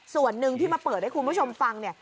ส่วนหนึ่งที่มาเปิดให้คุณผู้ชมฟังเนี่ย